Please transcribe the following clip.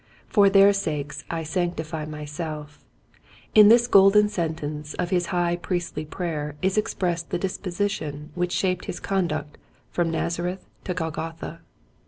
"For their sakes I sanctify myself "— in this golden sentence of his high priestly prayer is expressed the disposition which shaped his conduct from Nazareth to Golgotha.